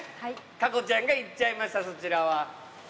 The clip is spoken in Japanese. かこちゃんがいっちゃいましたそちらは。